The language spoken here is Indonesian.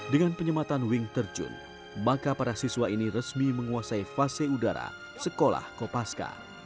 dengan penyematan wing terjun maka para siswa ini resmi menguasai fase udara sekolah kopaska